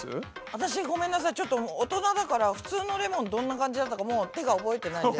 私ごめんなさいちょっと大人だから普通のレモンどんな感じだったかもう手が覚えてないんで。